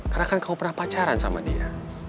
karena kan kamu pernah pacaran sama dia